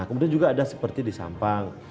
kemudian juga ada seperti di sampang